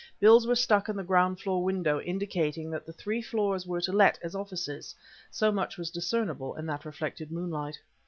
Bills were stuck in the ground floor window indicating that the three floors were to let as offices; so much was discernible in that reflected moonlight.